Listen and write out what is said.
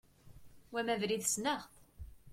Wama abrid sneɣ-t.